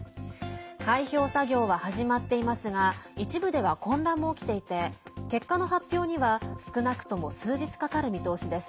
開票作業は始まっていますが一部では混乱も起きていて結果の発表には少なくとも数日かかる見通しです。